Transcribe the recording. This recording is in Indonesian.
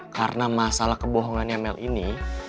karena masalah kebohongannya emel ini